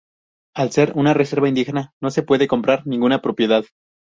Al ser una reserva indígena, no se puede comprar ninguna propiedad.